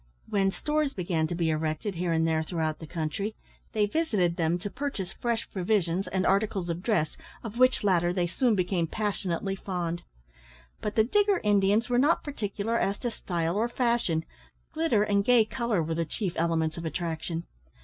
When stores began to be erected here and there throughout the country, they visited them to purchase fresh provisions and articles of dress, of which latter they soon became passionately fond. But the digger Indians were not particular as to style or fashion glitter and gay colour were the chief elements of attraction.